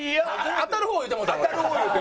当たる方言うてもうたんだ。